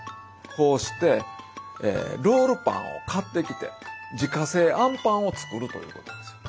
こうしてロールパンを買ってきて自家製あんぱんを作るということですよ。